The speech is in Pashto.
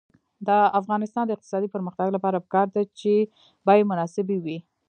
د افغانستان د اقتصادي پرمختګ لپاره پکار ده چې بیې مناسبې وي.